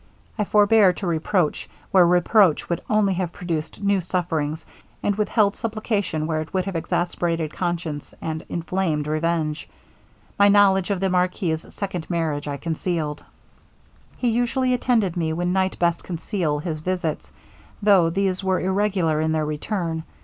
I forbore to reproach where reproach would only have produced new sufferings, and withheld supplication where it would have exasperated conscience and inflamed revenge. My knowledge of the marquis's second marriage I concealed. 'He usually attended me when night might best conceal his visits; though these were irregular in their return.